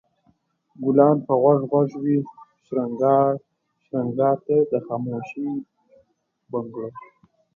ګلان به غوږ غوږ وي شرنګا ته د خاموشو بنګړو